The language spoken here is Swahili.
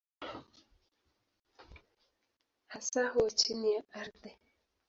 Hasa huwa chini ya ardhi.